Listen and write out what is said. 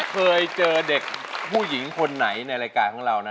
เคยเจอเด็กผู้หญิงคนไหนในรายการของเรานะ